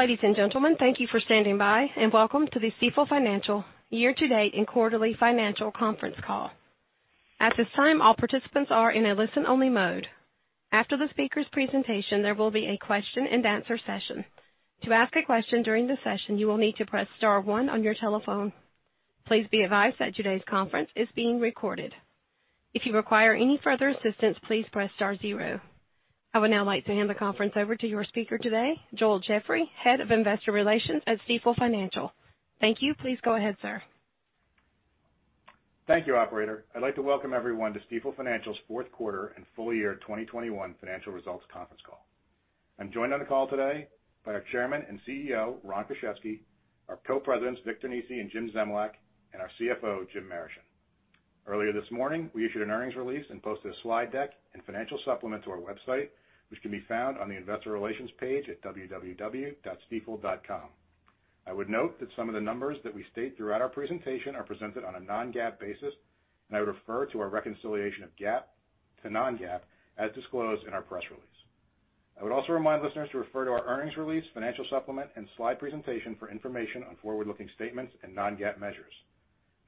Ladies and gentlemen, thank you for standing by, and welcome to the Stifel Financial Year-to-Date and Quarterly Financial Conference Call. At this time, all participants are in a listen-only mode. After the speaker's presentation, there will be a question-and-answer session. To ask a question during the session, you will need to press star one on your telephone. Please be advised that today's conference is being recorded. If you require any further assistance, please press star zero. I would now like to hand the conference over to your speaker today, Joel Jeffrey, Head of Investor Relations at Stifel Financial. Thank you. Please go ahead, sir. Thank you, operator. I'd like to welcome everyone to Stifel Financial's Fourth Quarter and Full-Year 2021 Financial Results Conference Call. I'm joined on the call today by our Chairman and CEO, Ron Kruszewski, our Co-Presidents, Victor Nesi and Jim Zemlyak, and our CFO, James Marischen. Earlier this morning, we issued an earnings release and posted a slide deck and financial supplement to our website, which can be found on the investor relations page at www.stifel.com. I would note that some of the numbers that we state throughout our presentation are presented on a non-GAAP basis, and I would refer to our reconciliation of GAAP to non-GAAP as disclosed in our press release. I would also remind listeners to refer to our earnings release, financial supplement and slide presentation for information on forward-looking statements and non-GAAP measures.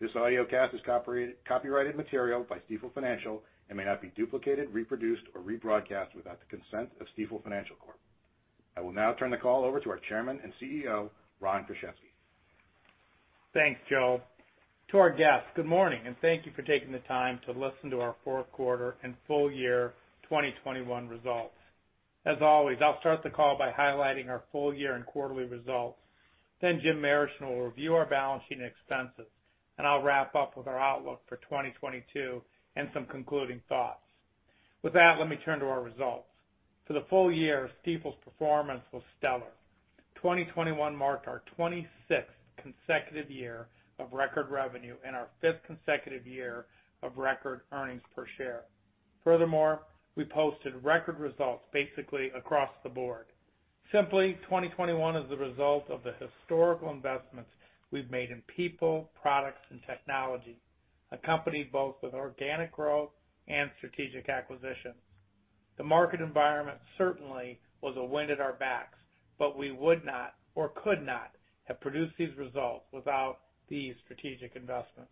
This audiocast is copyrighted material by Stifel Financial and may not be duplicated, reproduced or rebroadcast without the consent of Stifel Financial Corp. I will now turn the call over to our Chairman and CEO, Ron Kruszewski. Thanks, Joel. To our guests, good morning, and thank you for taking the time to listen to our fourth quarter and full-year 2021 results. As always, I'll start the call by highlighting our full-year and quarterly results. Then Jim Marischen will review our balance sheet and expenses, and I'll wrap up with our outlook for 2022 and some concluding thoughts. With that, let me turn to our results. For the full-year, Stifel's performance was stellar. 2021 marked our 26th consecutive year of record revenue and our 5th consecutive year of record earnings per share. Furthermore, we posted record results basically across the board. Simply, 2021 is the result of the historical investments we've made in people, products and technology, accompanied both with organic growth and strategic acquisitions. The market environment certainly was a wind at our backs, but we would not or could not have produced these results without these strategic investments.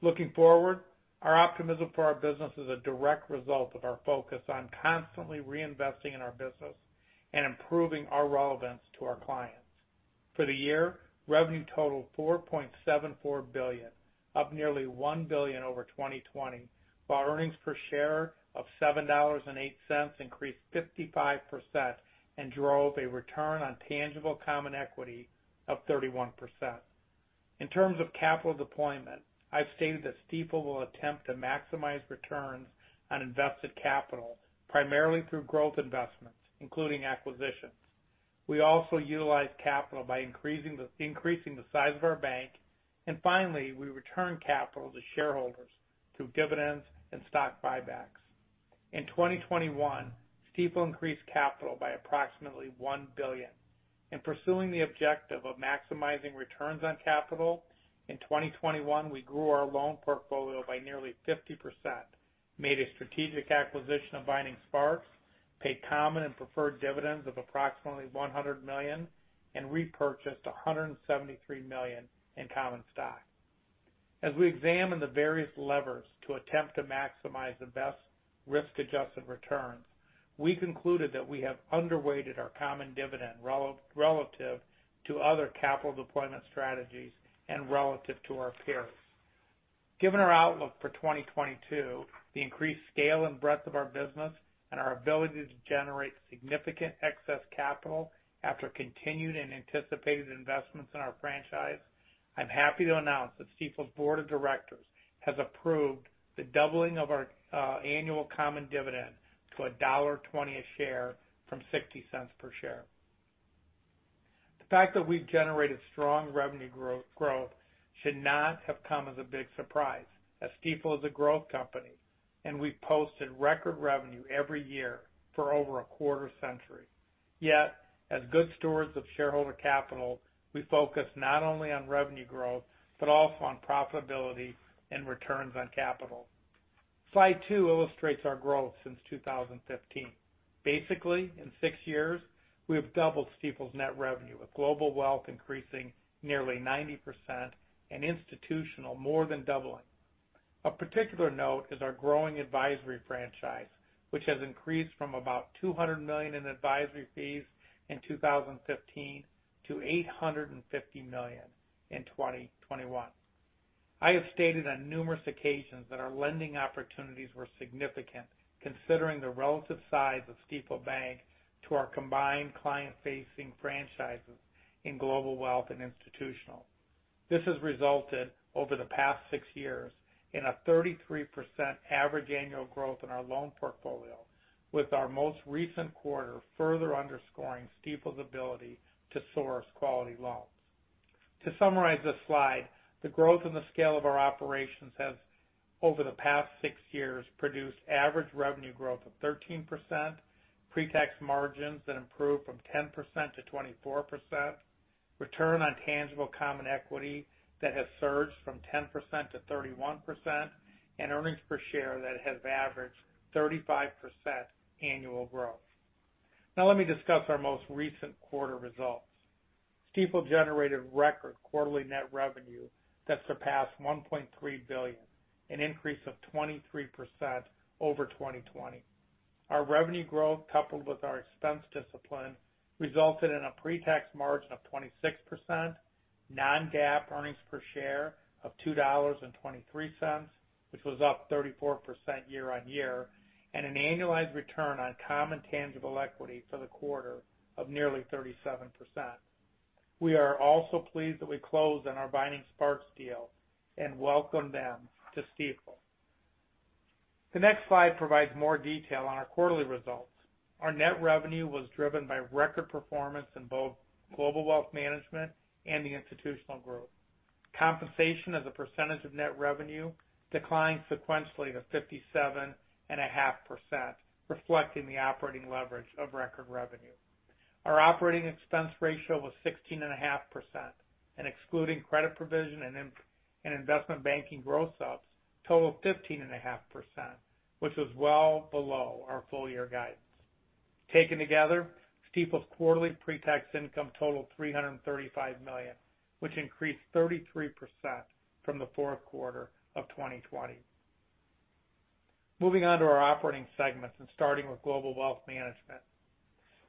Looking forward, our optimism for our business is a direct result of our focus on constantly reinvesting in our business and improving our relevance to our clients. For the year, revenue totaled $4.74 billion, up nearly $1 billion over 2020, while earnings per share of $7.08 increased 55% and drove a return on tangible common equity of 31%. In terms of capital deployment, I've stated that Stifel will attempt to maximize returns on invested capital primarily through growth investments, including acquisitions. We also utilize capital by increasing the size of our bank, and finally, we return capital to shareholders through dividends and stock buybacks. In 2021, Stifel increased capital by approximately $1 billion. In pursuing the objective of maximizing returns on capital, in 2021 we grew our loan portfolio by nearly 50%, made a strategic acquisition of Vining Sparks, paid common and preferred dividends of approximately $100 million, and repurchased $173 million in common stock. As we examine the various levers to attempt to maximize the best risk-adjusted returns, we concluded that we have underweighted our common dividend relative to other capital deployment strategies and relative to our peers. Given our outlook for 2022, the increased scale and breadth of our business and our ability to generate significant excess capital after continued and anticipated investments in our franchise, I'm happy to announce that Stifel's board of directors has approved the doubling of our annual common dividend to $1.20 a share from $0.60 per share. The fact that we've generated strong revenue growth should not have come as a big surprise, as Stifel is a growth company and we've posted record revenue every year for over a quarter century. Yet, as good stewards of shareholder capital, we focus not only on revenue growth but also on profitability and returns on capital. Slide 2 illustrates our growth since 2015. Basically, in six years we have doubled Stifel's net revenue, with global wealth increasing nearly 90% and institutional more than doubling. Of particular note is our growing advisory franchise, which has increased from about $200 million in advisory fees in 2015 to $850 million in 2021. I have stated on numerous occasions that our lending opportunities were significant considering the relative size of Stifel Bank to our combined client-facing franchises in global wealth and institutional. This has resulted over the past six years in a 33% average annual growth in our loan portfolio, with our most recent quarter further underscoring Stifel's ability to source quality loans. To summarize this slide, the growth in the scale of our operations has, over the past six years, produced average revenue growth of 13%, pre-tax margins that improved from 10% to 24%, return on tangible common equity that has surged from 10% to 31%, and earnings per share that has averaged 35% annual growth. Now, let me discuss our most recent quarter results. Stifel generated record quarterly net revenue that surpassed $1.3 billion, an increase of 23% over 2020. Our revenue growth, coupled with our expense discipline, resulted in a pre-tax margin of 26%, non-GAAP earnings per share of $2.23, which was up 34% year-over-year, and an annualized return on common tangible equity for the quarter of nearly 37%. We are also pleased that we closed on our Vining Sparks deal and welcome them to Stifel. The next slide provides more detail on our quarterly results. Our net revenue was driven by record performance in both Global Wealth Management and the Institutional Group. Compensation as a percentage of net revenue declined sequentially to 57.5%, reflecting the operating leverage of record revenue. Our operating expense ratio was 16.5%, and excluding credit provision and institutional and investment banking gross-ups total 15.5%, which was well below our full-year guidance. Taken together, Stifel's quarterly pre-tax income totaled $335 million, which increased 33% from the fourth quarter of 2020. Moving on to our operating segments and starting with Global Wealth Management.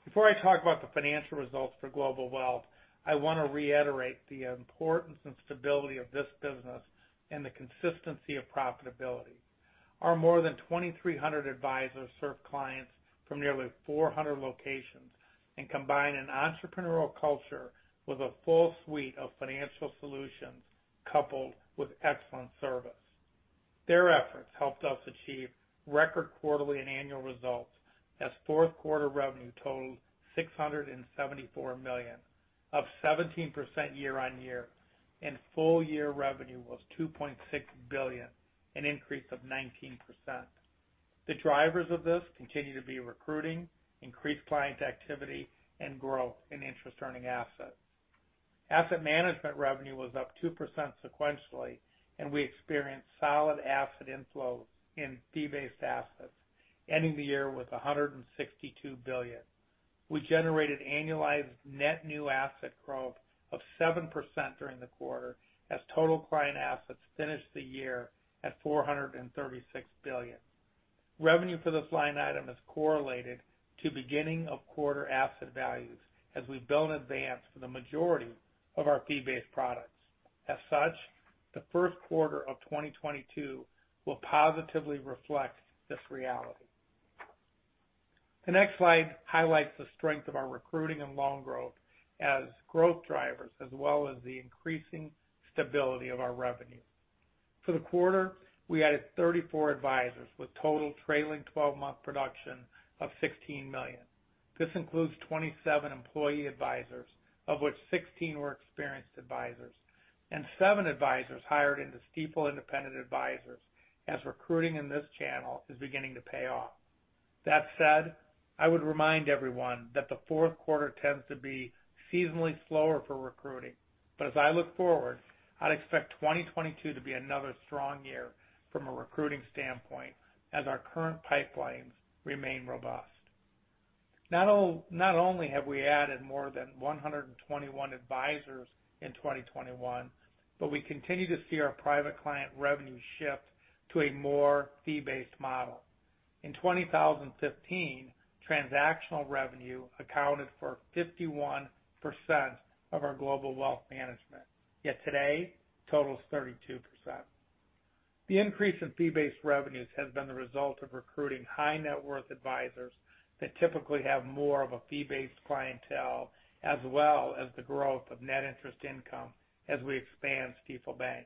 Before I talk about the financial results for Global Wealth, I wanna reiterate the importance and stability of this business and the consistency of profitability. Our more than 2,300 advisors serve clients from nearly 400 locations and combine an entrepreneurial culture with a full suite of financial solutions, coupled with excellent service. Their efforts helped us achieve record quarterly and annual results as fourth quarter revenue totaled $674 million, up 17% year-on-year, and full-year revenue was $2.6 billion, an increase of 19%. The drivers of this continue to be recruiting, increased client activity, and growth in interest earning assets. Asset management revenue was up 2% sequentially, and we experienced solid asset inflows in fee-based assets, ending the year with $162 billion. We generated annualized net new asset growth of 7% during the quarter as total client assets finished the year at $436 billion. Revenue for this line item is correlated to beginning of quarter asset values as we bill in advance for the majority of our fee-based products. As such, the first quarter of 2022 will positively reflect this reality. The next slide highlights the strength of our recruiting and loan growth as growth drivers, as well as the increasing stability of our revenue. For the quarter, we added 34 advisors with total trailing 12-month production of $16 million. This includes 27 employee advisors, of which 16 were experienced advisors and seven advisors hired into Stifel Independent Advisors, as recruiting in this channel is beginning to pay off. That said, I would remind everyone that the fourth quarter tends to be seasonally slower for recruiting. I look forward, I'd expect 2022 to be another strong year from a recruiting standpoint as our current pipelines remain robust. Not only have we added more than 121 advisors in 2021, but we continue to see our private client revenue shift to a more fee-based model. In 2015, transactional revenue accounted for 51% of our Global Wealth Management, yet today totals 32%. The increase in fee-based revenues has been the result of recruiting high net worth advisors that typically have more of a fee-based clientele, as well as the growth of Net Interest Income as we expand Stifel Bank.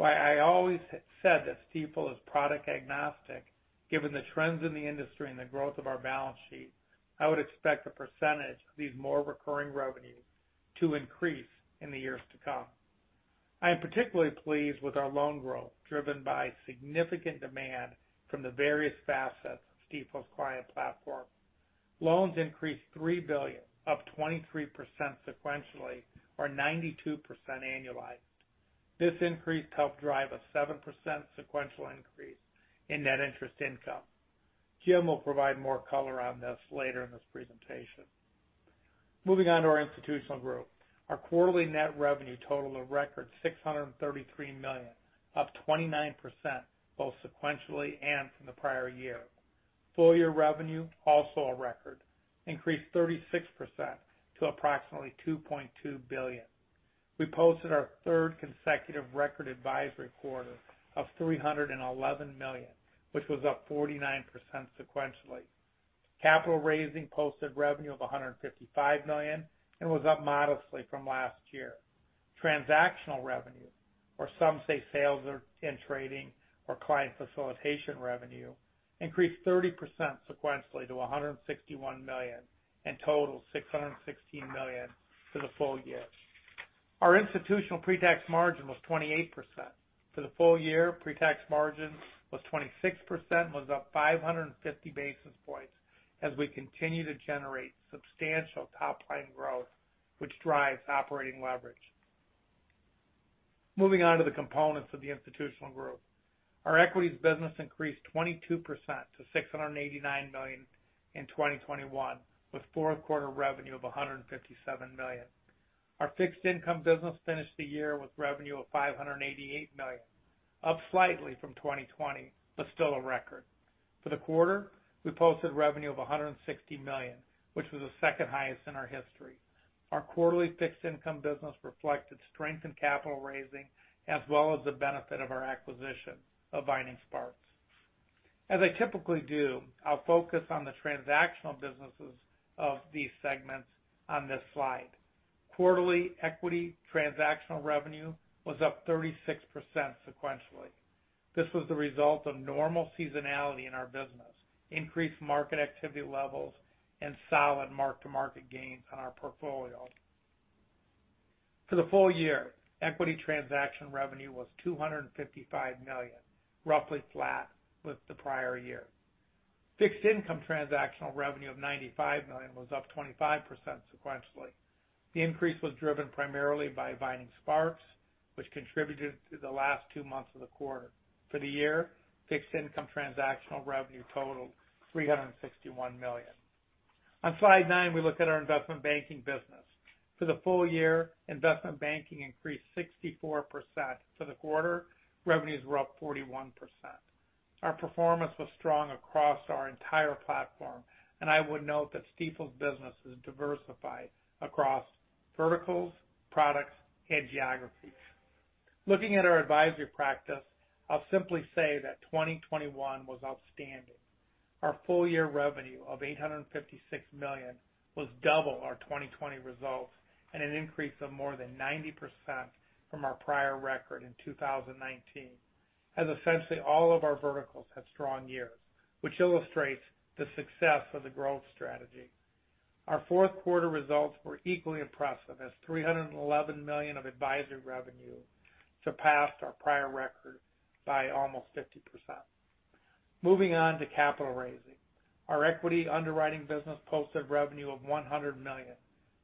While I always said that Stifel is product agnostic, given the trends in the industry and the growth of our balance sheet, I would expect the percentage of these more recurring revenues to increase in the years to come. I am particularly pleased with our loan growth, driven by significant demand from the various facets of Stifel's client platform. Loans increased $3 billion, up 23% sequentially, or 92% annualized. This increase helped drive a 7% sequential increase in Net Interest Income. Jim will provide more color on this later in this presentation. Moving on to our Institutional Group. Our quarterly net revenue totaled a record $633 million, up 29%, both sequentially and from the prior year. Full-year revenue, also a record, increased 36% to approximately $2.2 billion. We posted our third consecutive record advisory quarter of $311 million, which was up 49% sequentially. Capital raising posted revenue of $155 million and was up modestly from last year. Transactional revenue, in trading or client facilitation revenue, increased 30% sequentially to $161 million and totaled $616 million for the full-year. Our institutional pre-tax margin was 28%. For the full-year, pre-tax margin was 26%, was up 550 basis points as we continue to generate substantial top line growth, which drives operating leverage. Moving on to the components of the Institutional Group. Our equities business increased 22% to $689 million in 2021, with fourth quarter revenue of $157 million. Our fixed income business finished the year with revenue of $588 million, up slightly from 2020, but still a record. For the quarter, we posted revenue of $160 million, which was the second highest in our history. Our quarterly fixed income business reflected strength in capital raising as well as the benefit of our acquisition of Vining Sparks. As I typically do, I'll focus on the transactional businesses of these segments on this slide. Quarterly equity transactional revenue was up 36% sequentially. This was the result of normal seasonality in our business, increased market activity levels, and solid mark-to-market gains on our portfolio. For the full-year, equity transaction revenue was $255 million, roughly flat with the prior-year. Fixed income transactional revenue of $95 million was up 25% sequentially. The increase was driven primarily by Vining Sparks, which contributed to the last two months of the quarter. For the year, fixed income transactional revenue totaled $361 million. On Slide 9, we look at our investment banking business. For the full-year, investment banking increased 64%. For the quarter, revenues were up 41%. Our performance was strong across our entire platform, and I would note that Stifel's business is diversified across verticals, products, and geographies. Looking at our advisory practice, I'll simply say that 2021 was outstanding. Our full-year revenue of $856 million was double our 2020 results and an increase of more than 90% from our prior record in 2019, as essentially all of our verticals had strong years, which illustrates the success of the growth strategy. Our fourth quarter results were equally impressive as $311 million of advisory revenue surpassed our prior record by almost 50%. Moving on to capital raising. Our equity underwriting business posted revenue of $100 million.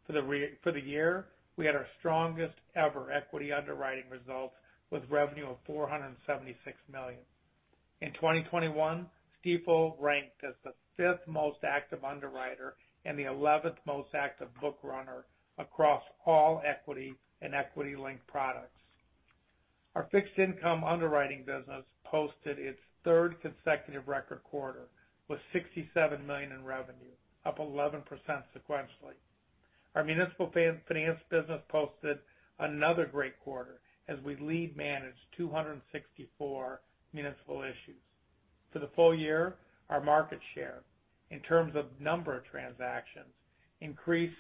For the year, we had our strongest ever equity underwriting results with revenue of $476 million. In 2021, Stifel ranked as the 5th most active underwriter and the 11th most active book runner across all equity and equity-linked products. Our fixed income underwriting business posted its third consecutive record quarter with $67 million in revenue, up 11% sequentially. Our municipal finance business posted another great quarter as we lead managed 264 municipal issues. For the full-year, our market share in terms of number of transactions increased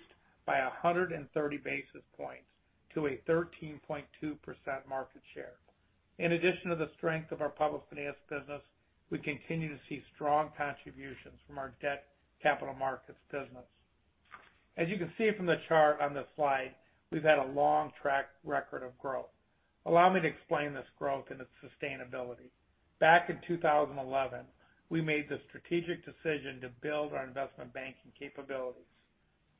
by 130 basis points to a 13.2% market share. In addition to the strength of our public finance business, we continue to see strong contributions from our debt capital markets business. As you can see from the chart on this slide, we've had a long track record of growth. Allow me to explain this growth and its sustainability. Back in 2011, we made the strategic decision to build our investment banking capabilities.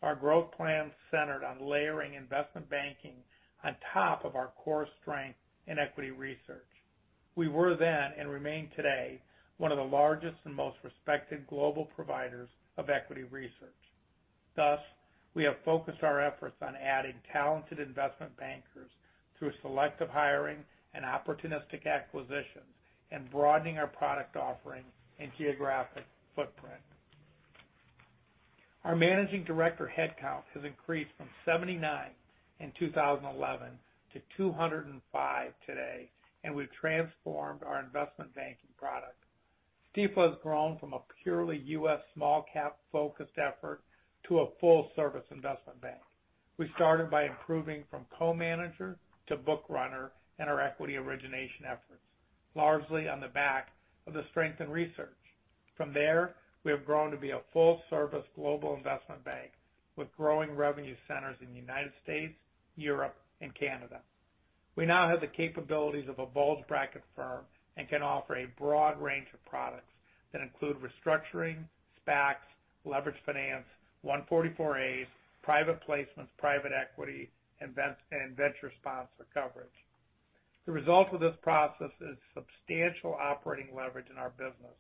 Our growth plan centered on layering investment banking on top of our core strength in equity research. We were then and remain today, one of the largest and most respected global providers of equity research. Thus, we have focused our efforts on adding talented investment bankers through selective hiring and opportunistic acquisitions and broadening our product offering and geographic footprint. Our managing director headcount has increased from 79 in 2011 to 205 today, and we've transformed our investment banking product. Stifel has grown from a purely U.S. small cap-focused effort to a full service investment bank. We started by improving from co-manager to book runner in our equity origination efforts, largely on the back of the strength in research. From there, we have grown to be a full service global investment bank with growing revenue centers in the United States, Europe, and Canada. We now have the capabilities of a bulge-bracket firm and can offer a broad range of products that include restructuring, SPACs, leverage finance, 144As, private placements, private equity, investment and venture sponsor coverage. The result of this process is substantial operating leverage in our business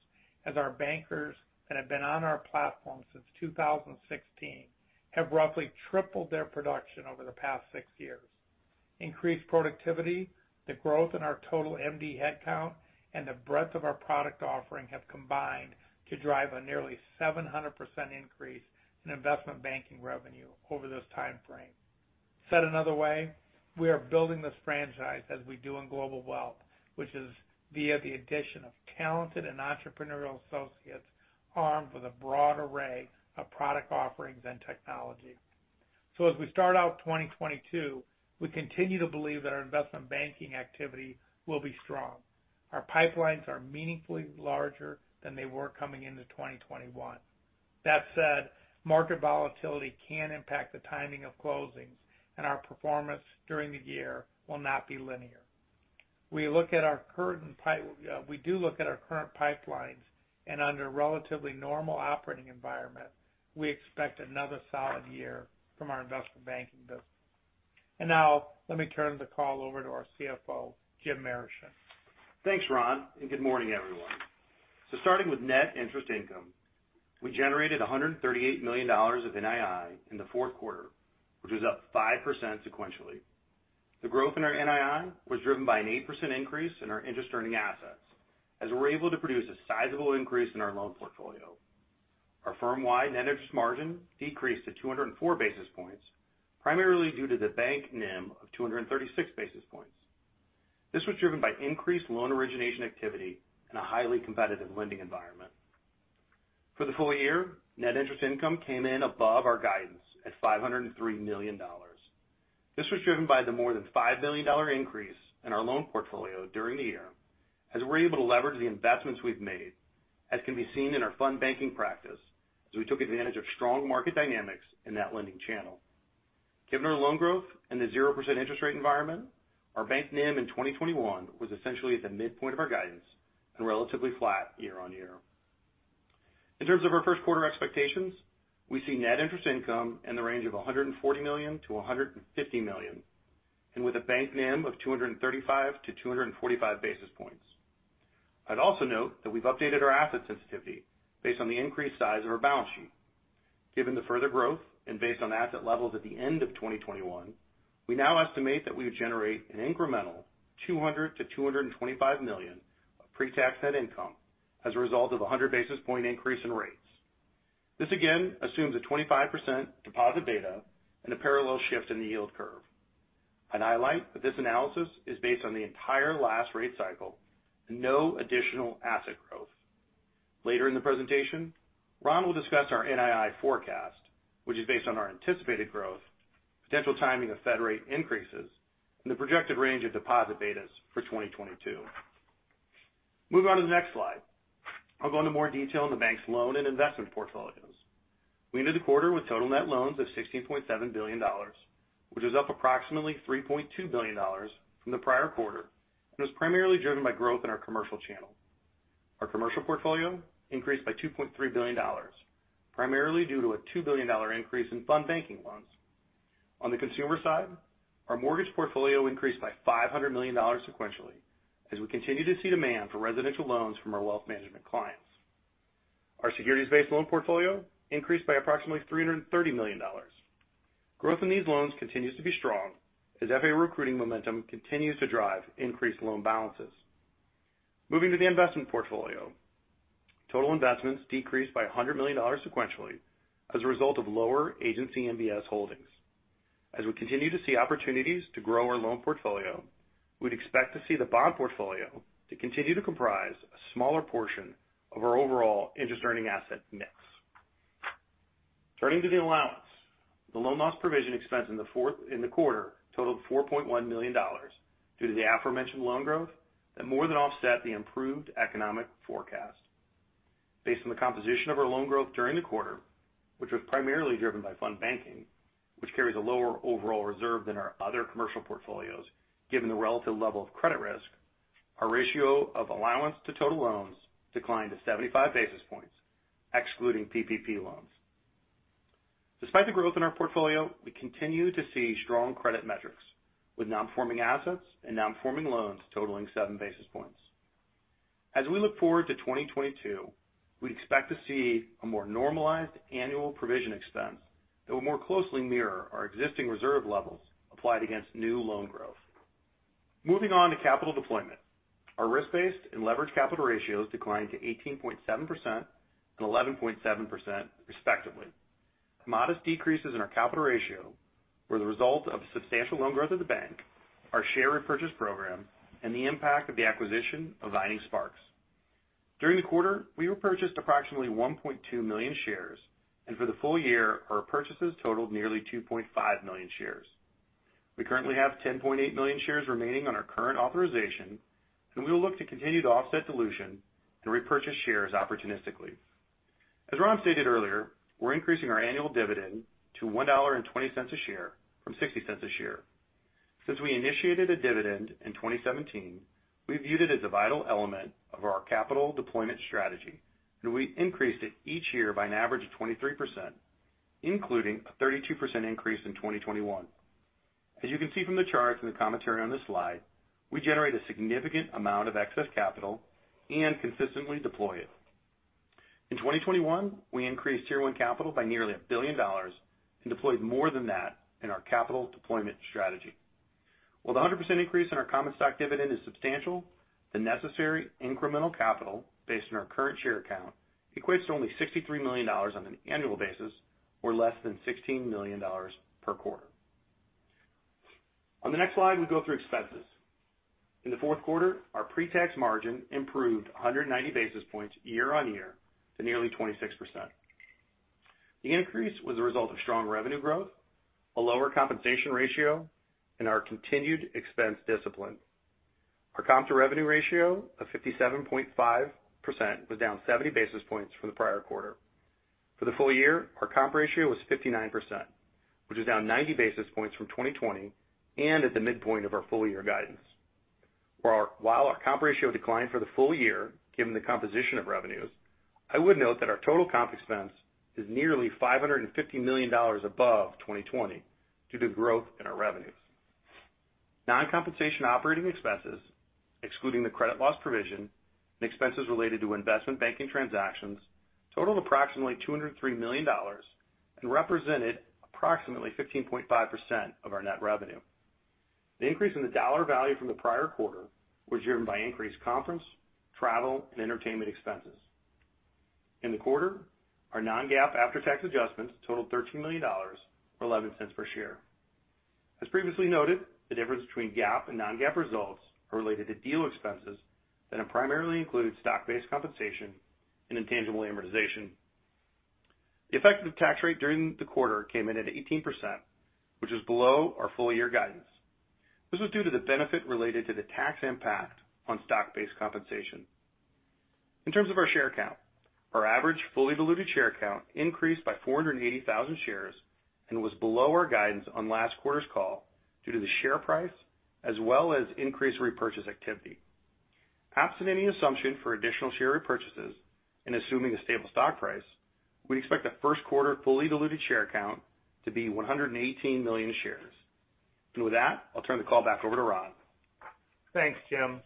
as our bankers that have been on our platform since 2016 have roughly tripled their production over the past six years. Increased productivity, the growth in our total MD headcount, and the breadth of our product offering have combined to drive a nearly 700% increase in investment banking revenue over this timeframe. Said another way, we are building this franchise as we do in global wealth, which is via the addition of talented and entrepreneurial associates armed with a broad array of product offerings and technology. As we start out 2022, we continue to believe that our investment banking activity will be strong. Our pipelines are meaningfully larger than they were coming into 2021. That said, market volatility can impact the timing of closings and our performance during the year will not be linear. We do look at our current pipelines and under relatively normal operating environment, we expect another solid year from our investment banking business. Now let me turn the call over to our CFO, Jim Marischen. Thanks, Ron, and good morning, everyone. Starting with Net Interest Income, we generated $138 million of NII in the fourth quarter, which was up 5% sequentially. The growth in our NII was driven by an 8% increase in our interest-earning assets, as we were able to produce a sizable increase in our loan portfolio. Our firm-wide Net Interest Margin decreased to 204 basis points, primarily due to the bank NIM of 236 basis points. This was driven by increased loan origination activity in a highly competitive lending environment. For the full-year, Net Interest Income came in above our guidance at $503 million. This was driven by the more than $5 billion increase in our loan portfolio during the year, as we were able to leverage the investments we've made, as can be seen in our fund banking practice, as we took advantage of strong market dynamics in that lending channel. Given our loan growth and the 0% interest rate environment, our bank NIM in 2021 was essentially at the midpoint of our guidance and relatively flat year-on-year. In terms of our first quarter expectations, we see Net Interest Income in the range of $140 million-$150 million, and with a bank NIM of 235-245 basis points. I'd also note that we've updated our asset sensitivity based on the increased size of our balance sheet. Given the further growth and based on asset levels at the end of 2021, we now estimate that we would generate an incremental $200 million to $225 million of pre-tax net income as a result of a 100 basis point increase in rates. This again assumes a 25% deposit beta and a parallel shift in the yield curve. I'd highlight that this analysis is based on the entire last rate cycle and no additional asset growth. Later in the presentation, Ron will discuss our NII forecast, which is based on our anticipated growth, potential timing of Fed rate increases, and the projected range of deposit betas for 2022. Moving on to the next slide. I'll go into more detail on the bank's loan and investment portfolios. We ended the quarter with total net loans of $16.7 billion, which is up approximately $3.2 billion from the prior quarter and was primarily driven by growth in our commercial channel. Our commercial portfolio increased by $2.3 billion, primarily due to a $2 billion increase in fund banking loans. On the consumer side, our mortgage portfolio increased by $500 million sequentially as we continue to see demand for residential loans from our wealth management clients. Our securities-based loan portfolio increased by approximately $330 million. Growth in these loans continues to be strong as FA recruiting momentum continues to drive increased loan balances. Moving to the investment portfolio. Total investments decreased by $100 million sequentially as a result of lower agency MBS holdings. As we continue to see opportunities to grow our loan portfolio, we'd expect to see the bond portfolio to continue to comprise a smaller portion of our overall interest-earning asset mix. Turning to the allowance. The loan loss provision expense in the quarter totaled $4.1 million due to the aforementioned loan growth that more than offset the improved economic forecast. Based on the composition of our loan growth during the quarter, which was primarily driven by fund banking, which carries a lower overall reserve than our other commercial portfolios, given the relative level of credit risk, our ratio of allowance to total loans declined to 75 basis points, excluding PPP loans. Despite the growth in our portfolio, we continue to see strong credit metrics with non-performing assets and non-performing loans totaling 7 basis points. As we look forward to 2022, we expect to see a more normalized annual provision expense that will more closely mirror our existing reserve levels applied against new loan growth. Moving on to capital deployment. Our risk-based and leverage capital ratios declined to 18.7% and 11.7% respectively. Modest decreases in our capital ratio were the result of substantial loan growth of the bank, our share repurchase program, and the impact of the acquisition of Vining Sparks. During the quarter, we repurchased approximately 1.2 million shares, and for the full-year, our purchases totaled nearly 2.5 million shares. We currently have 10.8 million shares remaining on our current authorization, and we will look to continue to offset dilution to repurchase shares opportunistically. As Ron stated earlier, we're increasing our annual dividend to $1.20 a share from $0.60 a share. Since we initiated a dividend in 2017, we viewed it as a vital element of our capital deployment strategy, and we increased it each year by an average of 23%, including a 32% increase in 2021. As you can see from the charts and the commentary on this slide, we generate a significant amount of excess capital and consistently deploy it. In 2021, we increased Tier 1 capital by nearly $1 billion and deployed more than that in our capital deployment strategy. While the 100% increase in our common stock dividend is substantial, the necessary incremental capital based on our current share count equates to only $63 million on an annual basis or less than $16 million per quarter. On the next slide, we go through expenses. In the fourth quarter, our pre-tax margin improved 190 basis points year-on-year to nearly 26%. The increase was a result of strong revenue growth, a lower compensation ratio, and our continued expense discipline. Our comp to revenue ratio of 57.5% was down 70 basis points from the prior quarter. For the full-year, our comp ratio was 59%, which is down 90 basis points from 2020 and at the midpoint of our full-year guidance. While our comp ratio declined for the full-year, given the composition of revenues, I would note that our total comp expense is nearly $550 million above 2020 due to growth in our revenues. Non-compensation operating expenses, excluding the credit loss provision and expenses related to investment banking transactions, totaled approximately $203 million and represented approximately 15.5% of our net revenue. The increase in the dollar value from the prior quarter was driven by increased conference, travel, and entertainment expenses. In the quarter, our non-GAAP after-tax adjustments totaled $13 million or $0.11 per share. As previously noted, the difference between GAAP and non-GAAP results are related to deal expenses that primarily include stock-based compensation and intangible amortization. The effective tax rate during the quarter came in at 18%, which is below our full-year guidance. This was due to the benefit related to the tax impact on stock-based compensation. In terms of our share count, our average fully diluted share count increased by 480,000 shares and was below our guidance on last quarter's call due to the share price as well as increased repurchase activity. Absent any assumption for additional share repurchases and assuming a stable stock price, we expect the first quarter fully diluted share count to be 118 million shares. With that, I'll turn the call back over to Ron. Thanks, Jim.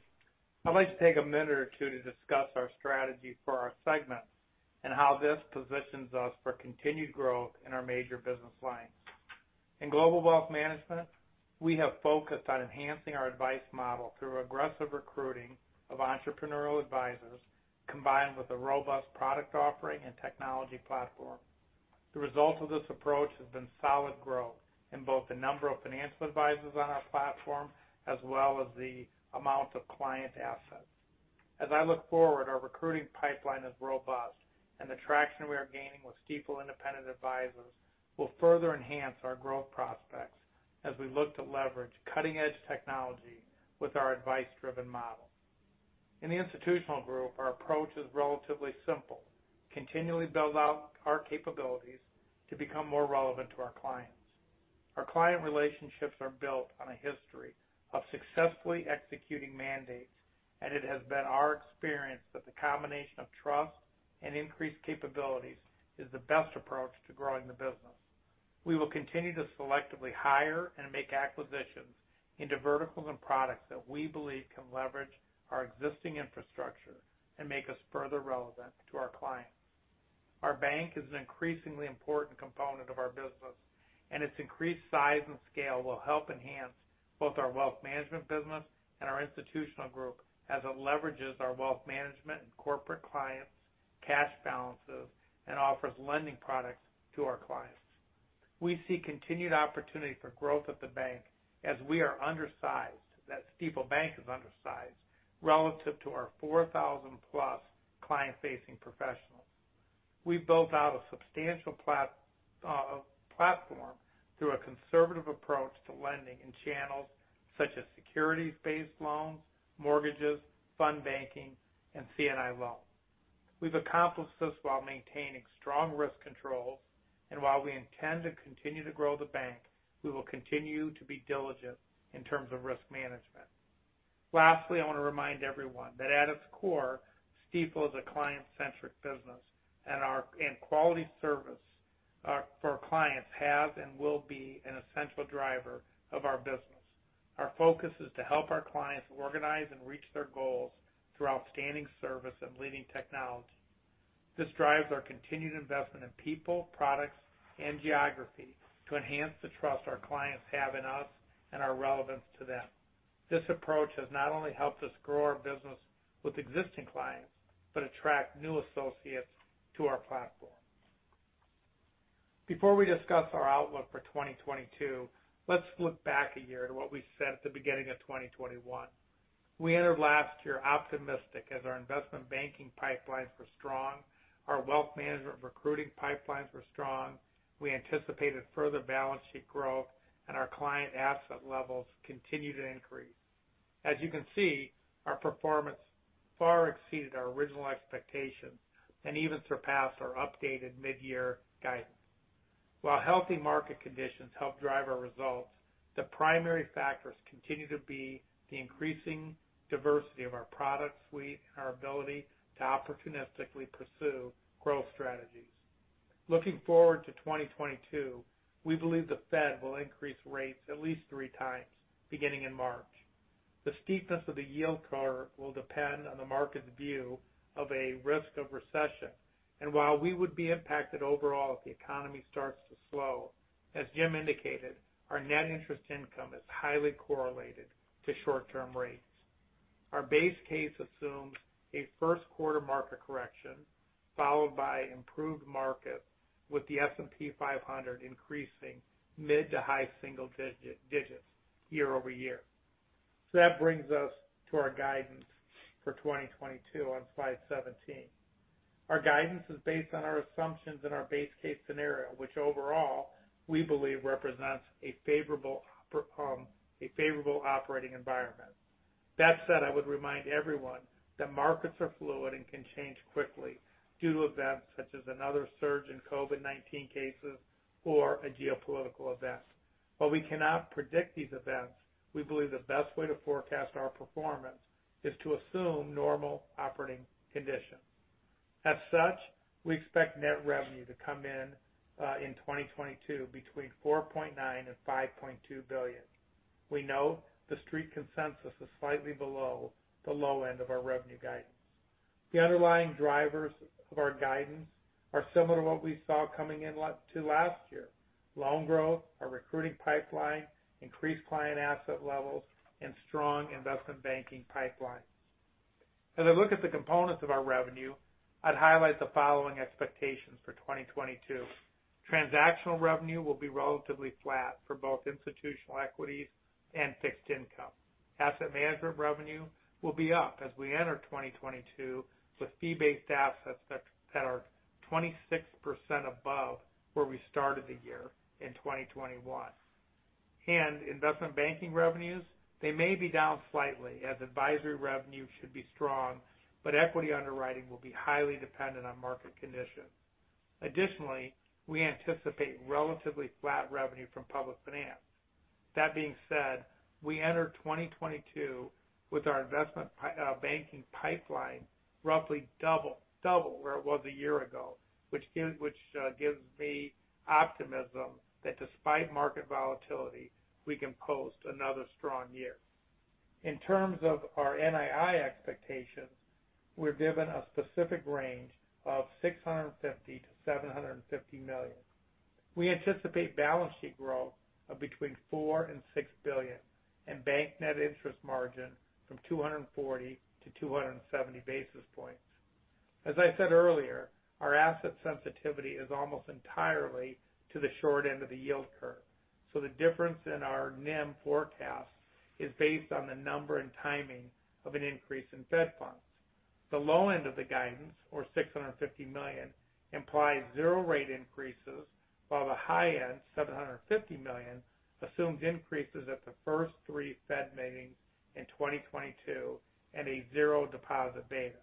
I'd like to take a minute or two to discuss our strategy for our segments and how this positions us for continued growth in our major business lines. In Global Wealth Management, we have focused on enhancing our advice model through aggressive recruiting of entrepreneurial advisors, combined with a robust product offering and technology platform. The result of this approach has been solid growth in both the number of financial advisors on our platform as well as the amount of client assets. As I look forward, our recruiting pipeline is robust, and the traction we are gaining with Stifel Independent Advisors will further enhance our growth prospects as we look to leverage cutting-edge technology with our advice-driven model. In the Institutional Group, our approach is relatively simple, continually build out our capabilities to become more relevant to our clients. Our client relationships are built on a history of successfully executing mandates, and it has been our experience that the combination of trust and increased capabilities is the best approach to growing the business. We will continue to selectively hire and make acquisitions into verticals and products that we believe can leverage our existing infrastructure and make us further relevant to our clients. Our bank is an increasingly important component of our business, and its increased size and scale will help enhance both our wealth management business and our Institutional Group as it leverages our wealth management and corporate clients' cash balances and offers lending products to our clients. We see continued opportunity for growth at the bank as we are undersized, that Stifel Bank is undersized, relative to our 4,000+ client-facing professionals. We've built out a substantial platform through a conservative approach to lending in channels such as securities-based loans, mortgages, fund banking, and C&I loans. We've accomplished this while maintaining strong risk controls, and while we intend to continue to grow the bank, we will continue to be diligent in terms of risk management. Lastly, I want to remind everyone that at its core, Stifel is a client-centric business, and our quality service for our clients has and will be an essential driver of our business. Our focus is to help our clients organize and reach their goals through outstanding service and leading technology. This drives our continued investment in people, products, and geography to enhance the trust our clients have in us and our relevance to them. This approach has not only helped us grow our business with existing clients but attract new associates to our platform. Before we discuss our outlook for 2022, let's look back a year to what we said at the beginning of 2021. We entered last year optimistic as our investment banking pipelines were strong, our wealth management recruiting pipelines were strong, we anticipated further balance sheet growth, and our client asset levels continued to increase. As you can see, our performance far exceeded our original expectations and even surpassed our updated mid-year guidance. While healthy market conditions helped drive our results, the primary factors continue to be the increasing diversity of our product suite and our ability to opportunistically pursue growth strategies. Looking forward to 2022, we believe the Fed will increase rates at least 3x, beginning in March. The steepness of the yield curve will depend on the market's view of a risk of recession. While we would be impacted overall if the economy starts to slow, as Jim indicated, our Net Interest Income is highly correlated to short-term rates. Our base case assumes a first quarter market correction followed by improved market with the S&P 500 increasing mid- to high single digits year-over-year. That brings us to our guidance for 2022 on Slide 17. Our guidance is based on our assumptions in our base case scenario, which overall we believe represents a favorable operating environment. That said, I would remind everyone that markets are fluid and can change quickly due to events such as another surge in COVID-19 cases or a geopolitical event. While we cannot predict these events, we believe the best way to forecast our performance is to assume normal operating conditions. As such, we expect net revenue to come in in 2022 between $4.9 billion to $5.2 billion. We know The Street consensus is slightly below the low end of our revenue guidance. The underlying drivers of our guidance are similar to what we saw coming in to last year. Loan growth, our recruiting pipeline, increased client asset levels, and strong investment banking pipelines. As I look at the components of our revenue, I'd highlight the following expectations for 2022. Transactional revenue will be relatively flat for both institutional equities and fixed income. Asset management revenue will be up as we enter 2022 with fee-based assets that are 26% above where we started the year in 2021. Investment banking revenues, they may be down slightly as advisory revenue should be strong, but equity underwriting will be highly dependent on market conditions. Additionally, we anticipate relatively flat revenue from public finance. That being said, we enter 2022 with our investment banking pipeline roughly double where it was a year ago, which gives me optimism that despite market volatility, we can post another strong year. In terms of our NII expectations, we're given a specific range of $650 million to $750 million. We anticipate balance sheet growth of between $4 billion and $6 billion and bank Net Interest Margin from 240 to 270 basis points. As I said earlier, our asset sensitivity is almost entirely to the short end of the yield curve, so the difference in our NIM forecast is based on the number and timing of an increase in Fed funds. The low end of the guidance, or $650 million, implies zero rate increases, while the high end, $750 million, assumes increases at the first 3 Fed meetings in 2022 and a zero deposit beta.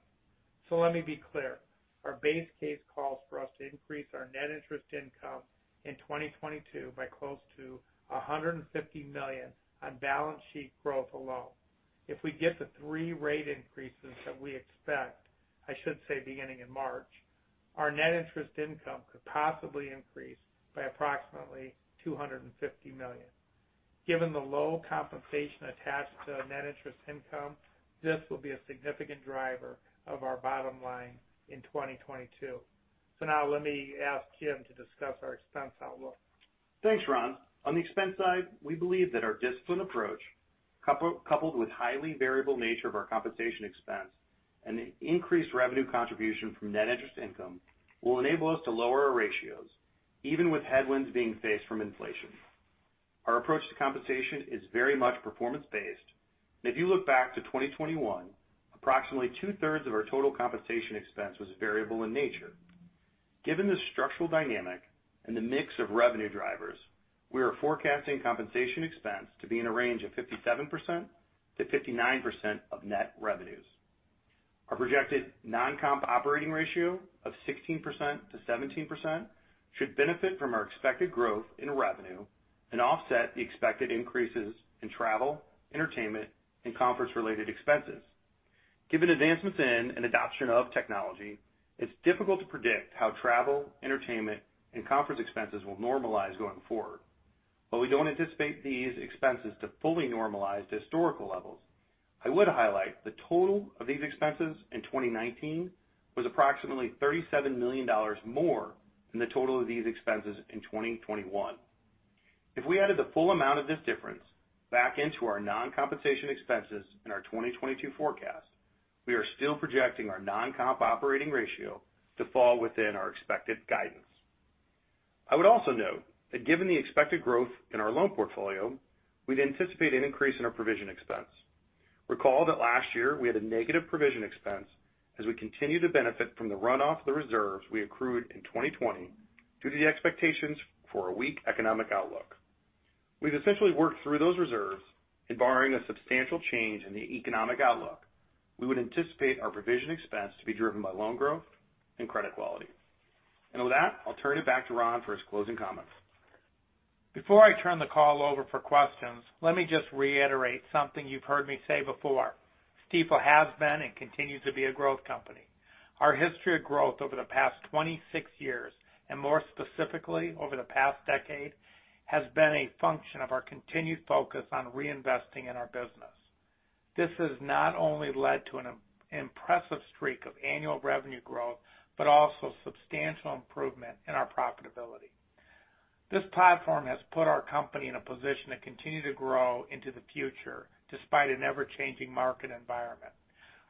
Let me be clear, our base case calls for us to increase our Net Interest Income in 2022 by close to $150 million on balance sheet growth alone. If we get the three rate increases that we expect, I should say beginning in March, our Net Interest Income could possibly increase by approximately $250 million. Given the low compensation attached to Net Interest Income, this will be a significant driver of our bottom line in 2022. Now let me ask Jim to discuss our expense outlook. Thanks, Ron. On the expense side, we believe that our disciplined approach, coupled with highly variable nature of our compensation expense and the increased revenue contribution from Net Interest Income, will enable us to lower our ratios even with headwinds being faced from inflation. Our approach to compensation is very much performance-based. If you look back to 2021, approximately two-thirds of our total compensation expense was variable in nature. Given the structural dynamic and the mix of revenue drivers, we are forecasting compensation expense to be in a range of 57% to 59% of net revenues. Our projected non-comp operating ratio of 16% to 17% should benefit from our expected growth in revenue and offset the expected increases in travel, entertainment, and conference-related expenses. Given advancements in and adoption of technology, it's difficult to predict how travel, entertainment, and conference expenses will normalize going forward. We don't anticipate these expenses to fully normalize to historical levels. I would highlight the total of these expenses in 2019 was approximately $37 million more than the total of these expenses in 2021. If we added the full amount of this difference back into our non-compensation expenses in our 2022 forecast, we are still projecting our non-comp operating ratio to fall within our expected guidance. I would also note that given the expected growth in our loan portfolio, we'd anticipate an increase in our provision expense. Recall that last year we had a negative provision expense as we continued to benefit from the runoff of the reserves we accrued in 2020 due to the expectations for a weak economic outlook. We've essentially worked through those reserves and barring a substantial change in the economic outlook, we would anticipate our provision expense to be driven by loan growth and credit quality. With that, I'll turn it back to Ron for his closing comments. Before I turn the call over for questions, let me just reiterate something you've heard me say before. Stifel has been and continues to be a growth company. Our history of growth over the past 26 years, and more specifically over the past decade, has been a function of our continued focus on reinvesting in our business. This has not only led to an impressive streak of annual revenue growth, but also substantial improvement in our profitability. This platform has put our company in a position to continue to grow into the future despite an ever-changing market environment.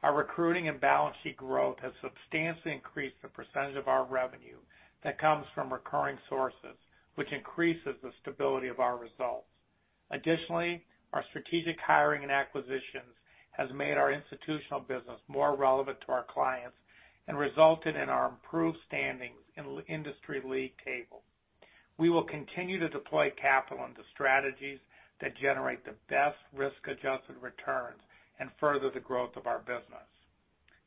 Our recruiting and balance sheet growth has substantially increased the percentage of our revenue that comes from recurring sources, which increases the stability of our results. Additionally, our strategic hiring and acquisitions has made our institutional business more relevant to our clients and resulted in our improved standings in industry league table. We will continue to deploy capital into strategies that generate the best risk-adjusted returns and further the growth of our business.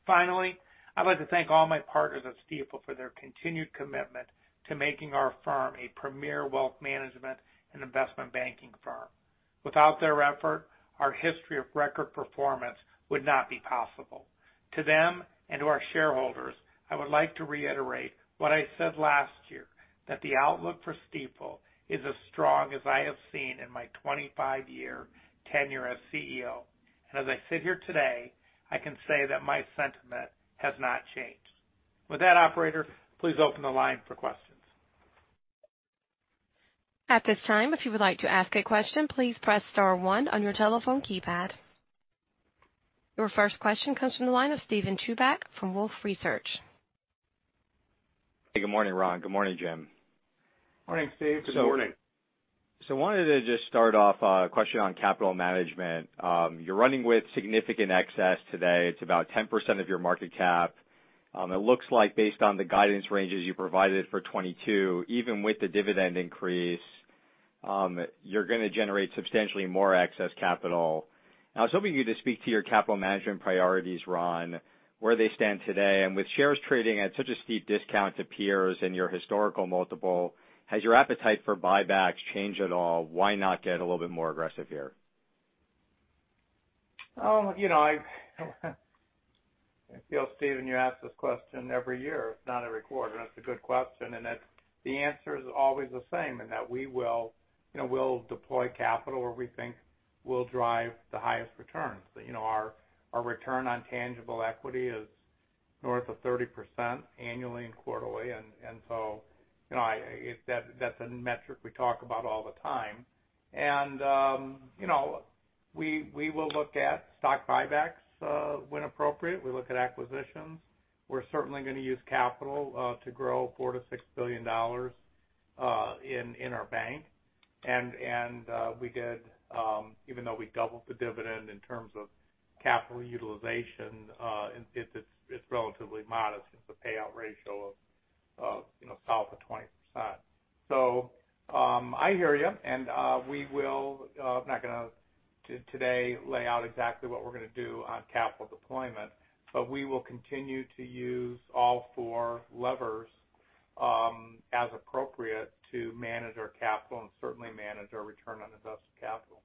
Finally, I'd like to thank all my partners at Stifel for their continued commitment to making our firm a premier wealth management and investment banking firm. Without their effort, our history of record performance would not be possible. To them and to our shareholders, I would like to reiterate what I said last year, that the outlook for Stifel is as strong as I have seen in my 25-year tenure as CEO. As I sit here today, I can say that my sentiment has not changed. With that, operator, please open the line for questions. At this time, if you would like to ask a question, please press star one on your telephone keypad. Your first question comes from the line of Steven Chubak from Wolfe Research. Hey, good morning, Ron. Good morning, Jim. Morning, Steven. Good morning. Wanted to just start off a question on capital management. You're running with significant excess today. It's about 10% of your market cap. It looks like based on the guidance ranges you provided for 2022, even with the dividend increase, you're gonna generate substantially more excess capital. I was hoping you could just speak to your capital management priorities, Ron, where they stand today. With shares trading at such a steep discount to peers in your historical multiple, has your appetite for buybacks changed at all? Why not get a little bit more aggressive here? You know, I feel, Steven, you ask this question every year, if not every quarter, and it's a good question. The answer is always the same in that we will, you know, we'll deploy capital where we think will drive the highest returns. You know, our return on tangible equity is north of 30% annually and quarterly. That's a metric we talk about all the time. You know, we will look at stock buybacks when appropriate. We look at acquisitions. We're certainly gonna use capital to grow $4 billion to $6 billion in our bank. We did even though we doubled the dividend in terms of capital utilization, it's relatively modest. It's a payout ratio of, you know, south of 20%. I hear you, and we will, I'm not gonna today lay out exactly what we're gonna do on capital deployment. We will continue to use all four levers, as appropriate to manage our capital and certainly manage our return on invested capital.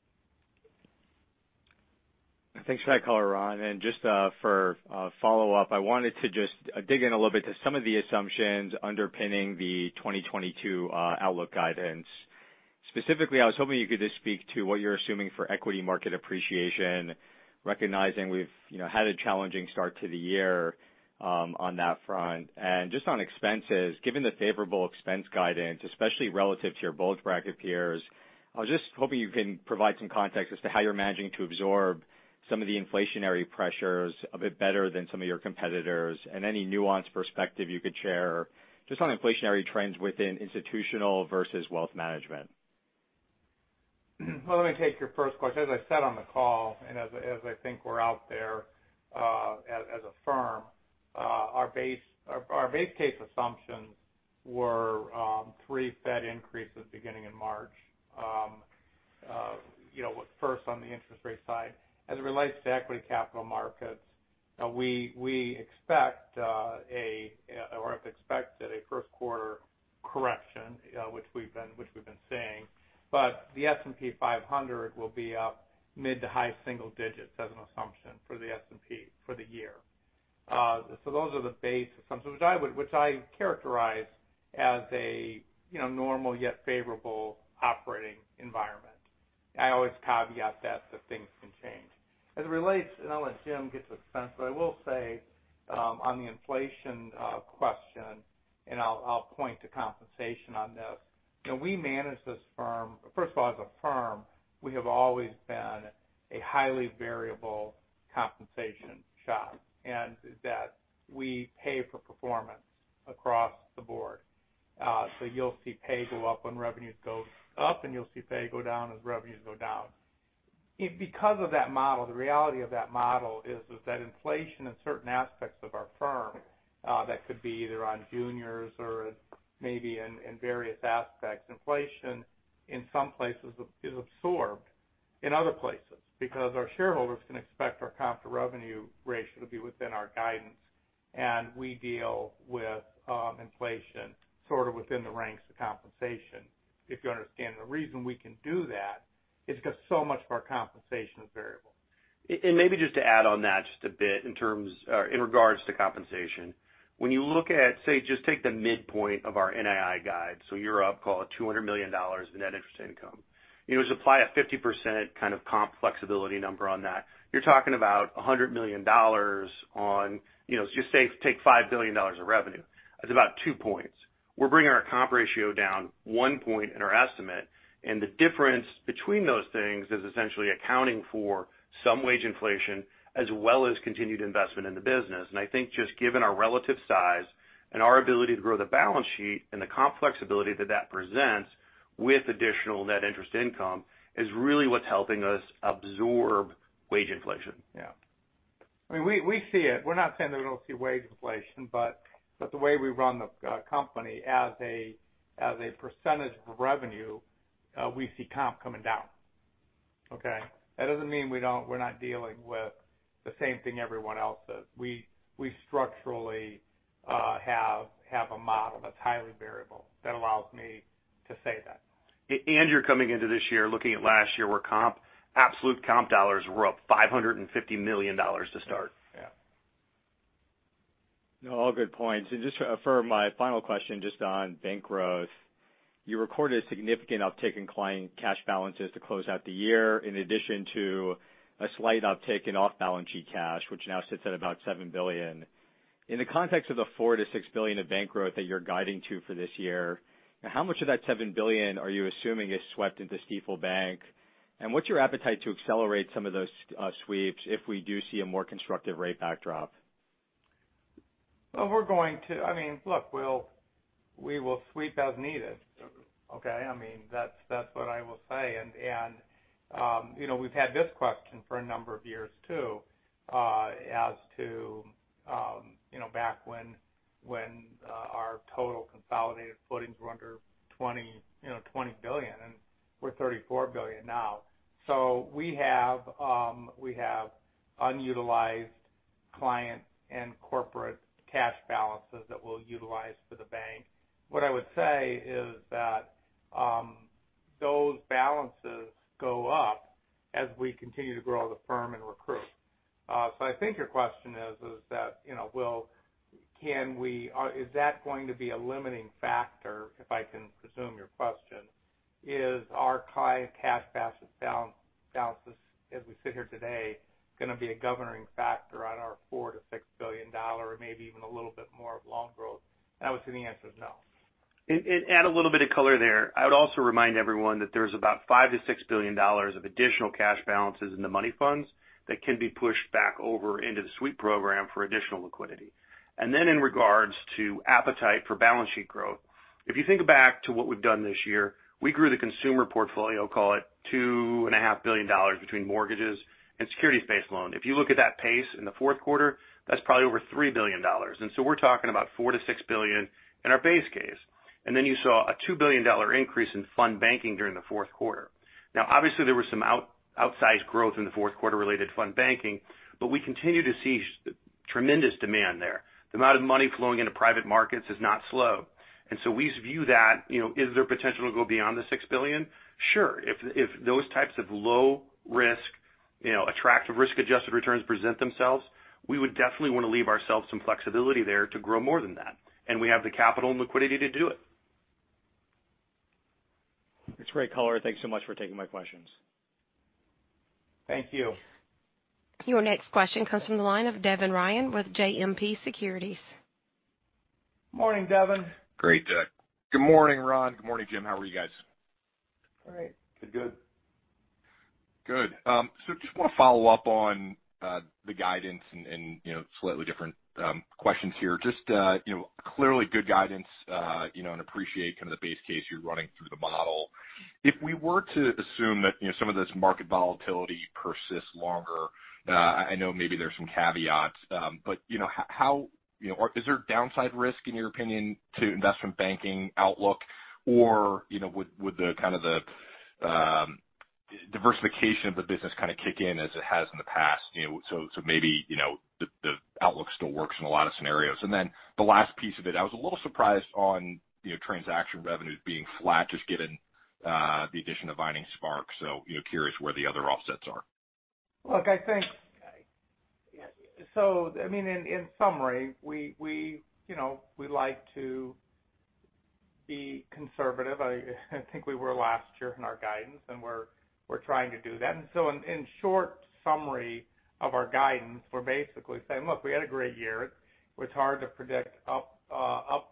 Thanks for that color, Ron. Just for a follow-up, I wanted to just dig in a little bit to some of the assumptions underpinning the 2022 outlook guidance. Specifically, I was hoping you could just speak to what you're assuming for equity market appreciation, recognizing we've, you know, had a challenging start to the year on that front. Just on expenses, given the favorable expense guidance, especially relative to your bulge-bracket peers, I was just hoping you can provide some context as to how you're managing to absorb some of the inflationary pressures a bit better than some of your competitors and any nuanced perspective you could share just on inflationary trends within institutional versus wealth management. Well, let me take your first question. As I said on the call, and as I think we're out there, as a firm, our base case assumptions were 3 Fed increases beginning in March, you know, first on the interest rate side. As it relates to equity capital markets, we expect or have expected a first quarter correction, which we've been seeing. The S&P 500 will be up mid- to high-single digits as an assumption for the S&P for the year. Those are the base assumptions which I characterize as a, you know, normal yet favorable operating environment. I always caveat that things can change. As it relates, and I'll let Jim get to expense, but I will say on the inflation question, and I'll point to compensation on this. You know, we manage this firm. First of all, as a firm, we have always been a highly variable compensation shop, and that we pay for performance across the board. So you'll see pay go up when revenues go up, and you'll see pay go down as revenues go down. Because of that model, the reality of that model is that inflation in certain aspects of our firm, that could be either on juniors or maybe in various aspects. Inflation in some places is absorbed in other places because our shareholders can expect our comp to revenue ratio to be within our guidance. We deal with inflation sort of within the ranks of compensation. If you understand, the reason we can do that is because so much of our compensation is variable. Maybe just to add on that just a bit in terms, in regards to compensation. When you look at, say, just take the midpoint of our NII guide, so you're up, call it $200 million in Net Interest Income. You supply a 50% kind of comp flexibility number on that. You're talking about $100 million on, you know, so just say, take $5 billion of revenue. That's about 2 points. We're bringing our comp ratio down 1 point in our estimate, and the difference between those things is essentially accounting for some wage inflation as well as continued investment in the business. I think just given our relative size and our ability to grow the balance sheet and the comp flexibility that that presents with additional Net Interest Income is really what's helping us absorb wage inflation. Yeah. I mean, we see it. We're not saying that we don't see wage inflation, but the way we run the company as a percentage of revenue, we see comp coming down, okay? That doesn't mean we're not dealing with the same thing everyone else is. We structurally have a model that's highly variable that allows me to say that. You're coming into this year looking at last year where comp, absolute comp dollars were up $550 million to start. Yeah. No, all good points. Just for my final question just on bank growth. You recorded a significant uptick in client cash balances to close out the year, in addition to a slight uptick in off-balance sheet cash, which now sits at about $7 billion. In the context of the $4 billion to $6 billion of bank growth that you're guiding to for this year, how much of that $7 billion are you assuming is swept into Stifel Bank? What's your appetite to accelerate some of those sweeps if we do see a more constructive rate backdrop? Well, I mean, look, we will sweep as needed. Okay? I mean, that's what I will say. You know, we've had this question for a number of years too, as to, you know, back when our total consolidated footings were under $20 billion, and we're $34 billion now. We have unutilized client and corporate cash balances that we'll utilize for the bank. What I would say is that those balances go up as we continue to grow the firm and recruit. So I think your question is, you know, is that going to be a limiting factor, if I can presume your question. Is our high cash balances as we sit here today gonna be a governing factor on our $4 billion to $6 billion or maybe even a little bit more of loan growth? I would say the answer is no. Add a little bit of color there. I would also remind everyone that there's about $5 billion to $6 billion of additional cash balances in the money funds that can be pushed back over into the sweep program for additional liquidity. In regard to appetite for balance sheet growth, if you think back to what we've done this year, we grew the consumer portfolio, call it $2.5 billion between mortgages and securities-based loan. If you look at that pace in the fourth quarter, that's probably over $3 billion. We're talking about $4 billion to $6 billion in our base case. You saw a $2 billion increase in fund banking during the fourth quarter. Now, obviously there was some outsized growth in the fourth quarter related to fund banking, but we continue to see tremendous demand there. The amount of money flowing into private markets has not slowed. We view that, you know, is there potential to go beyond the $6 billion? Sure. If those types of low risk, you know, attractive risk-adjusted returns present themselves, we would definitely wanna leave ourselves some flexibility there to grow more than that. We have the capital and liquidity to do it. It's a great color. Thanks so much for taking my questions. Thank you. Your next question comes from the line of Devin Ryan with JMP Securities. Morning, Devin. Great. Good morning, Ron. Good morning, Jim. How are you guys? All right. Good. Good. So just wanna follow up on the guidance and, you know, slightly different questions here. Just, you know, clearly good guidance, you know, and appreciate kind of the base case you're running through the model. If we were to assume that, you know, some of this market volatility persists longer, I know maybe there's some caveats, but you know, or is there downside risk, in your opinion, to investment banking outlook? Or, you know, would the kind of the diversification of the business kind of kick in as it has in the past? You know, so maybe, you know, the outlook still works in a lot of scenarios. The last piece of it, I was a little surprised on, you know, transaction revenues being flat, just given the addition of Vining Sparks. You know, curious where the other offsets are. Look, I think. I mean, in summary, we, you know, we like to be conservative. I think we were last year in our guidance, and we're trying to do that. In short summary of our guidance, we're basically saying, "Look, we had a great year. It's hard to predict up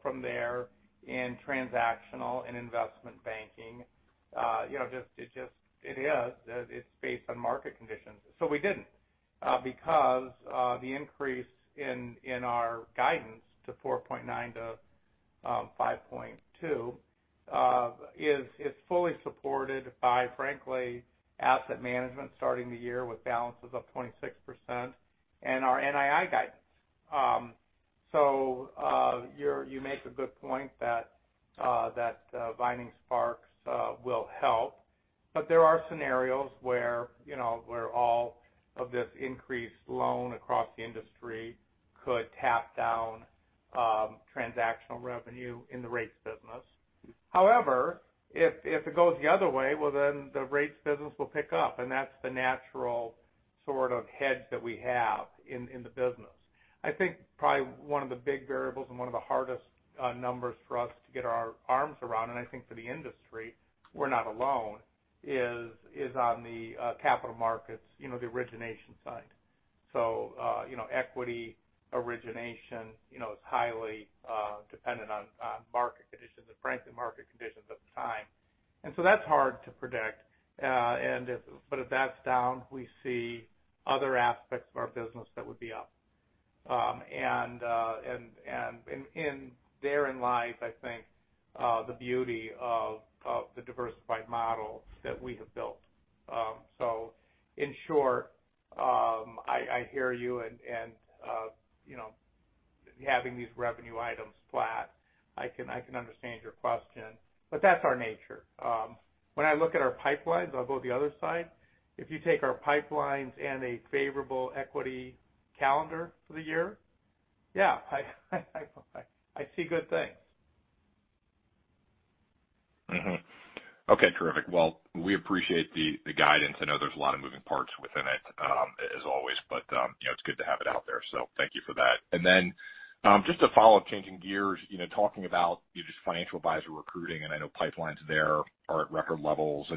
from there in transactional and investment banking." You know, just, it is. It's based on market conditions. We didn't because the increase in our guidance to 4.9 to 5.2 is fully supported by, frankly, asset management starting the year with balances of 26% and our NII guidance. You make a good point that Vining Sparks will help, but there are scenarios where, you know, where all of this increased loan across the industry could tamp down transactional revenue in the rates business. However, if it goes the other way, well, then the rates business will pick up, and that's the natural sort of hedge that we have in the business. I think probably one of the big variables and one of the hardest numbers for us to get our arms around, and I think for the industry, we're not alone, is on the capital markets, you know, the origination side. You know, equity origination is highly dependent on market conditions and frankly, market conditions at the time. That's hard to predict. If that's down, we see other aspects of our business that would be up. Therein lies, I think, the beauty of the diversified model that we have built. In short, I hear you and you know, having these revenue items flat, I can understand your question, but that's our nature. When I look at our pipelines, I'll go to the other side. If you take our pipelines and a favorable equity calendar for the year, I see good things. Mm-hmm. Okay. Terrific. Well, we appreciate the guidance. I know there's a lot of moving parts within it, as always, but you know, it's good to have it out there. So thank you for that. Then just to follow up, changing gears, you know, talking about just financial advisor recruiting, and I know pipelines there are at record levels.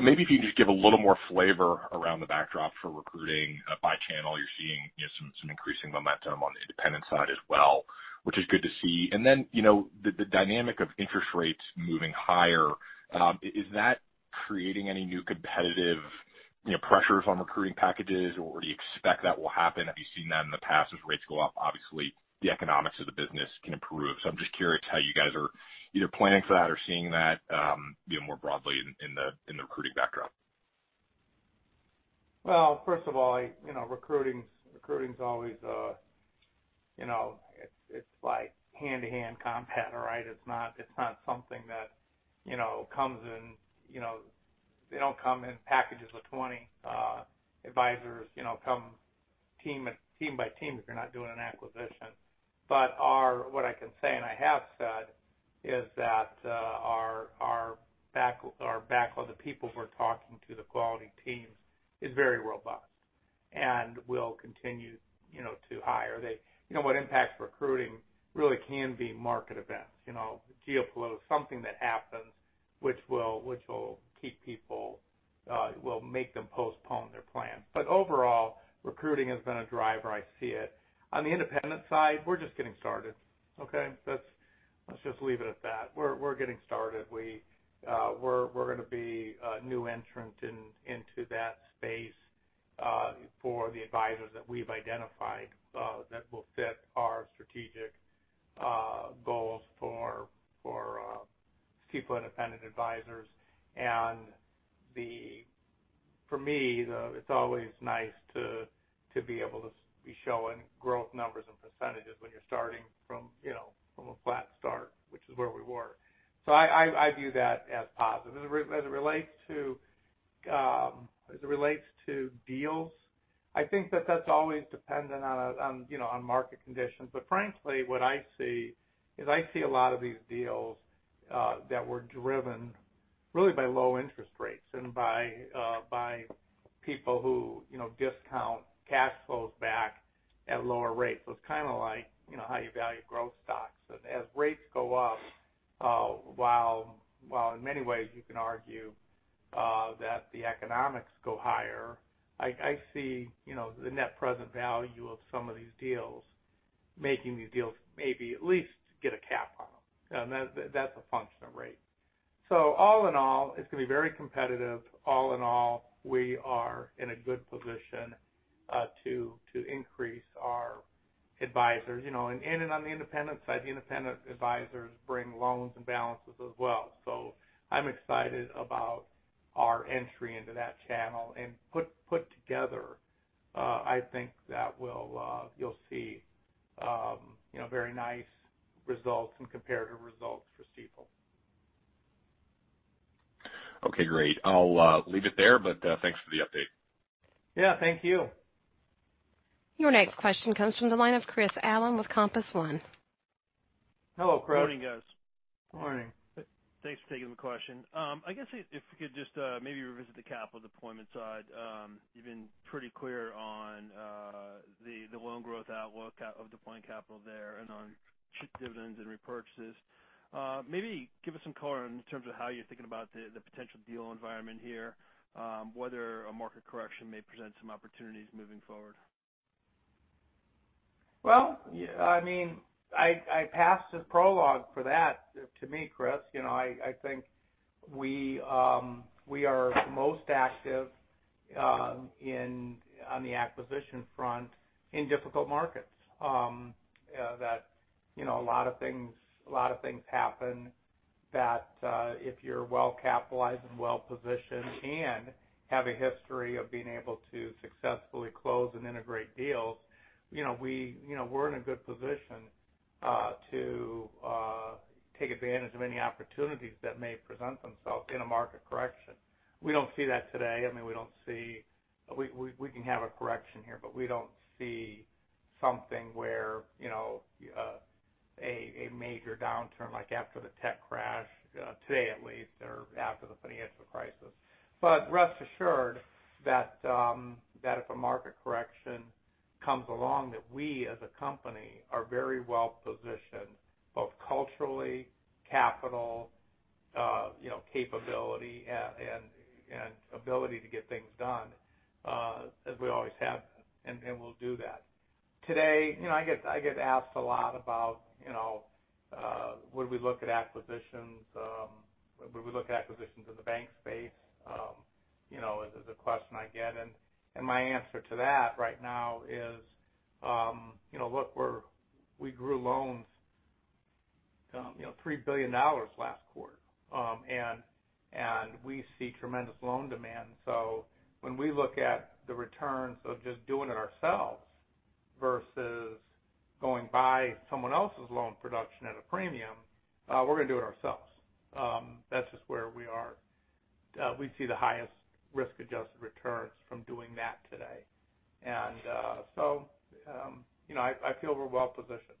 Maybe if you can just give a little more flavor around the backdrop for recruiting by channel. You're seeing, you know, some increasing momentum on the independent side as well, which is good to see. Then you know, the dynamic of interest rates moving higher, is that creating any new competitive, you know, pressures on recruiting packages, or do you expect that will happen? Have you seen that in the past as rates go up? Obviously, the economics of the business can improve. I'm just curious how you guys are either planning for that or seeing that, you know, more broadly in the recruiting backdrop. Well, first of all, you know, recruiting's always, you know, it's like hand-to-hand combat, right? It's not something that, you know, comes in, you know, they don't come in packages with 20. Advisors, you know, come team by team if you're not doing an acquisition. What I can say, and I have said, is that our backlog, the people we're talking to, the quality teams is very robust and will continue, you know, to hire. What impacts recruiting really can be market events, you know, something that happens which will keep people, will make them postpone their plans. Overall, recruiting has been a driver. I see it. On the independent side, we're just getting started, okay? That's, let's just leave it at that. We're getting started. We're gonna be a new entrant into that space for the advisors that we've identified that will fit our strategic goals for people, independent advisors. For me, it's always nice to be able to be showing growth numbers and percentages when you're starting from, you know, from a flat start, which is where we were. I view that as positive. As it relates to deals, I think that's always dependent on you know, on market conditions. Frankly, what I see is a lot of these deals that were driven really by low interest rates and by people who, you know, discount cash flows back at lower rates. It's kind of like, you know, how you value growth stocks. As rates go up, while in many ways you can argue that the economics go higher, I see, you know, the net present value of some of these deals making these deals maybe at least get a cap on them. That's a function of rate. All in all, it's gonna be very competitive. All in all, we are in a good position to increase our advisors. You know, on the independent side, the independent advisors bring loans and balances as well. I'm excited about our entry into that channel. Put together, I think that will, you'll see, you know, very nice results and comparative results for Stifel. Okay, great. I'll leave it there, but thanks for the update. Yeah, thank you. Your next question comes from the line of Chris Allen with Compass Point. Hello, Chris. Morning, guys. Morning. Thanks for taking the question. I guess if we could just maybe revisit the capital deployment side. You've been pretty clear on the loan growth outlook of deploying capital there and on dividends and repurchases. Maybe give us some color in terms of how you're thinking about the potential deal environment here, whether a market correction may present some opportunities moving forward. Well, yeah, I mean, I think that's a fair point, to me, Chris. You know, I think we are most active in on the acquisition front in difficult markets. That you know, a lot of things happen that if you're well capitalized and well positioned and have a history of being able to successfully close and integrate deals, you know, we, you know, we're in a good position to take advantage of any opportunities that may present themselves in a market correction. We don't see that today. I mean, we don't see. We can have a correction here, but we don't see something where, you know, a major downturn like after the tech crash today at least, or after the financial crisis. Rest assured that if a market correction comes along, that we as a company are very well positioned, both culturally, capital, you know, capability and ability to get things done, as we always have and will do that. Today, you know, I get asked a lot about, you know, would we look at acquisitions in the bank space? This is a question I get, and my answer to that right now is, you know, look, we grew loans, you know, $3 billion last quarter. We see tremendous loan demand. When we look at the returns of just doing it ourselves versus going to buy someone else's loan production at a premium, we're gonna do it ourselves. That's just where we are. We see the highest risk-adjusted returns from doing that today. You know, I feel we're well positioned.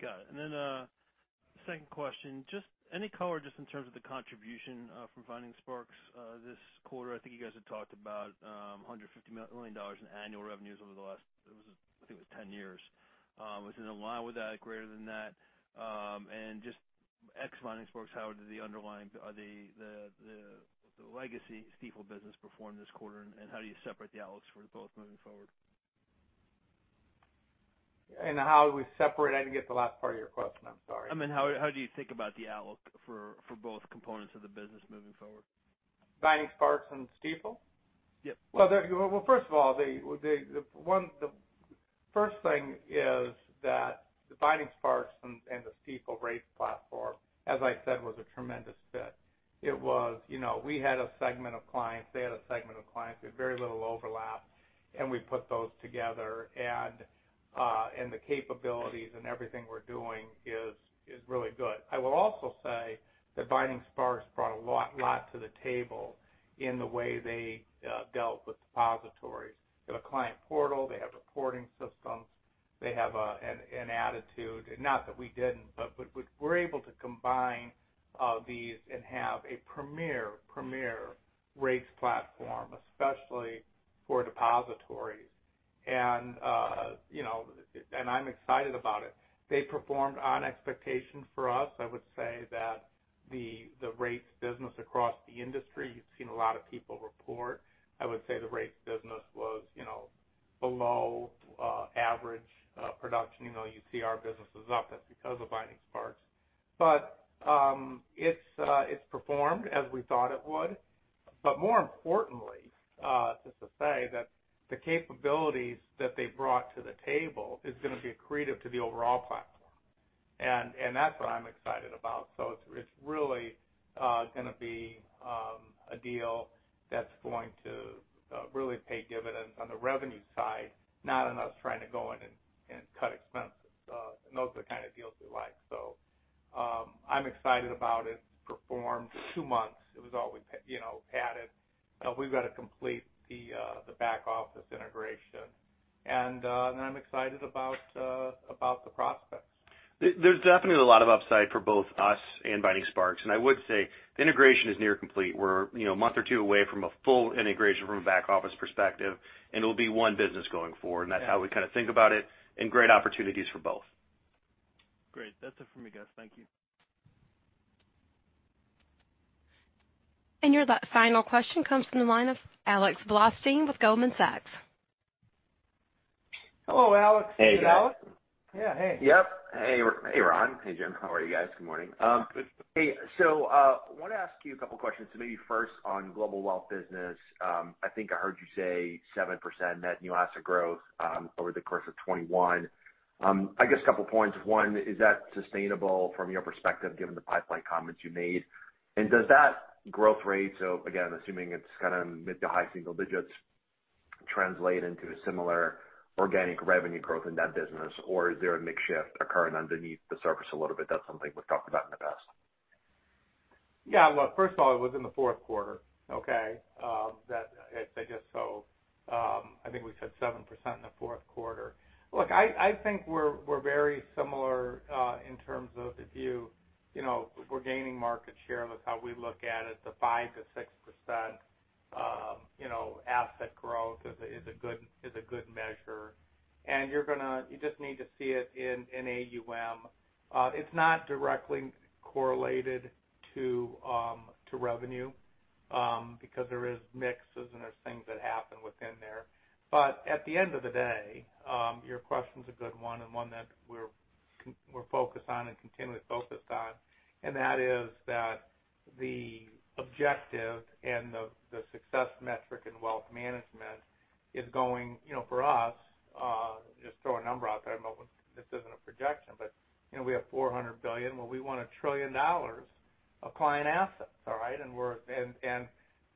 Got it. Second question, just any color in terms of the contribution from Vining Sparks this quarter. I think you guys had talked about $150 million in annual revenues over the last 10 years. Is it in line with that, greater than that? Just ex Vining Sparks, how did the underlying or the legacy Stifel business perform this quarter? How do you separate the outlook for both moving forward? How we separate? I didn't get the last part of your question. I'm sorry. I mean, how do you think about the outlook for both components of the business moving forward? Vining Sparks and Stifel? Yep. Well, first of all, the first thing is that the Vining Sparks and the Stifel rates platform, as I said, was a tremendous fit. It was, you know, we had a segment of clients, they had a segment of clients with very little overlap, and we put those together. The capabilities and everything we're doing is really good. I will also say that Vining Sparks brought a lot to the table in the way they dealt with depositories. They have a client portal, they have reporting systems, they have an attitude. Not that we didn't, but we're able to combine these and have a premier rates platform, especially for depositories. You know, and I'm excited about it. They performed on expectation for us. I would say that the rates business across the industry, you've seen a lot of people report. I would say the rates business was, you know, below average production. You know, you see our business is up. That's because of Vining Sparks. It's performed as we thought it would. More importantly, just to say that the capabilities that they brought to the table is gonna be accretive to the overall platform. That's what I'm excited about. It's really gonna be a deal that's going to really pay dividends on the revenue side, not on us trying to go in and cut expenses. Those are the kind of deals we like. I'm excited about it. It's performed two months. It was always you know, padded. We've got to complete the back office integration. I'm excited about the prospects. There's definitely a lot of upside for both us and Vining Sparks. I would say the integration is near complete. We're, you know, a month or two away from a full integration from a back office perspective, and it'll be one business going forward. That's how we kind of think about it, and great opportunities for both. Great. That's it for me, guys. Thank you. Your final question comes from the line of Alex Blostein with Goldman Sachs. Hello, Alex. Hey, guys. Yeah. Hey. Yep. Hey, hey, Ron. Hey, Jim. How are you guys? Good morning. Hey, want to ask you a couple questions. Maybe first on Global Wealth Management. I think I heard you say 7% net new asset growth over the course of 2021. I guess a couple points. One, is that sustainable from your perspective given the pipeline comments you made? Does that growth rate, so again, assuming it's kind of mid- to high-single digits, translate into similar organic revenue growth in that business, or is there a mix shift occurring underneath the surface a little bit? That's something we've talked about in the past. Yeah. Look, first of all, it was in the fourth quarter, okay? That it's just so, I think we said 7% in the fourth quarter. Look, I think we're very similar in terms of the view. You know, we're gaining market share. That's how we look at it. The 5% to 6%, you know, asset growth is a good measure. You just need to see it in AUM. It's not directly correlated to revenue, because there is mixes and there's things that happen within there. At the end of the day, your question's a good one and one that we're focused on and continuously focused on, and that is the objective and the success metric in wealth management is going for us, just throw a number out there, but this isn't a projection, but, you know, we have $400 billion. Well, we want $1 trillion of client assets, all right?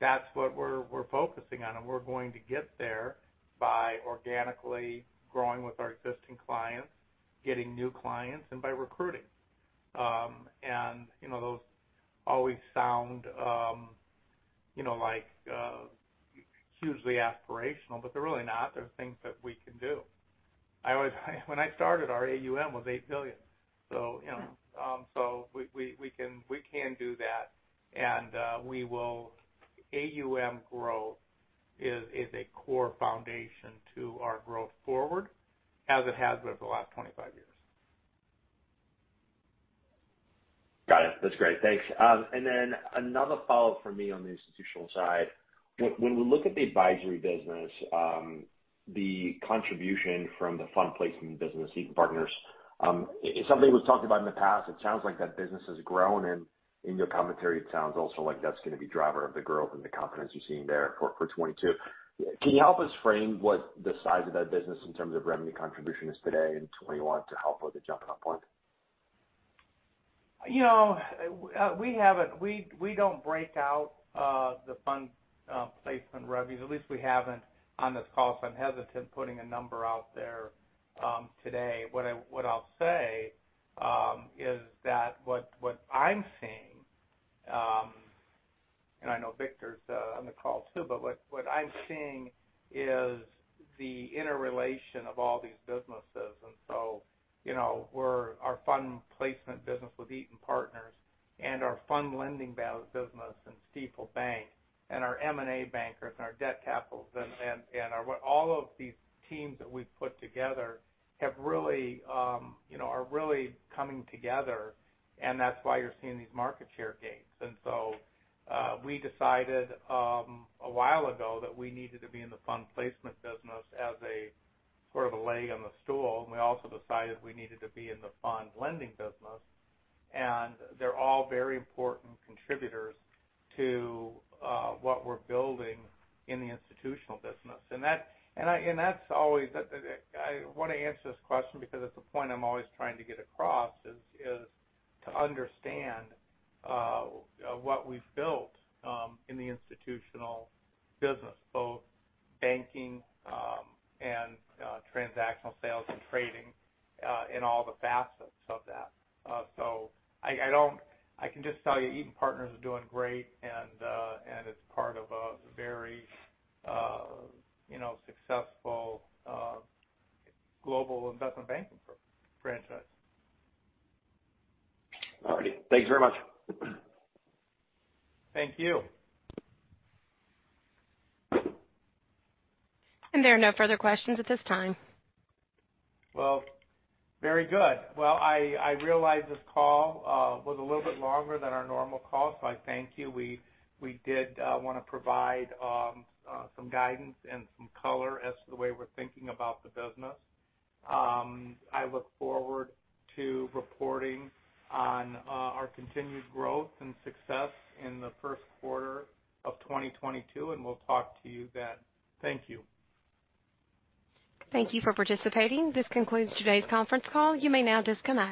That's what we're focusing on, and we're going to get there by organically growing with our existing clients, getting new clients, and by recruiting. You know, those always sound, you know, like hugely aspirational, but they're really not. They're things that we can do. When I started, our AUM was $8 billion. You know, we can do that. We will. AUM growth is a core foundation to our growth forward, as it has been for the last 25 years. Got it. That's great. Thanks. Another follow-up from me on the institutional side. When we look at the advisory business, the contribution from the fund placement business, Eaton Partners, it's something we've talked about in the past. It sounds like that business has grown and in your commentary, it sounds also like that's gonna be driver of the growth and the confidence you're seeing there for 2022. Can you help us frame what the size of that business in terms of revenue contribution is today in 2021 to help with the jumping off point? You know, we don't break out the fund placement revenues, at least we haven't on this call, so I'm hesitant putting a number out there today. What I'll say is that what I'm seeing, and I know Victor's on the call too, but what I'm seeing is the interrelation of all these businesses. You know, our fund placement business with Eaton Partners and our fund lending business in Stifel Bank and our M&A bankers and our debt capital and all of these teams that we've put together have really, you know, are really coming together, and that's why you're seeing these market share gains. We decided a while ago that we needed to be in the fund placement business as a sort of a leg on the stool, and we also decided we needed to be in the fund lending business. They're all very important contributors to what we're building in the institutional business. I wanna answer this question because it's a point I'm always trying to get across is to understand what we've built in the institutional business, both banking and transactional sales and trading in all the facets of that. I can just tell you, Eaton Partners are doing great, and it's part of a very you know successful global investment banking franchise. All righty. Thanks very much. Thank you. There are no further questions at this time. Well, very good. Well, I realize this call was a little bit longer than our normal calls, so I thank you. We did wanna provide some guidance and some color as to the way we're thinking about the business. I look forward to reporting on our continued growth and success in the first quarter of 2022, and we'll talk to you then. Thank you. Thank you for participating. This concludes today's conference call. You may now disconnect.